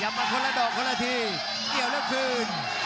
มาคนละดอกคนละทีเกี่ยวแล้วคืน